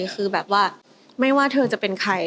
คือแบบว่าไม่ว่าเธอจะเป็นใคร